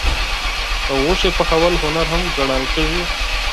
د غوښې پخول هنر هم ګڼل کېږي.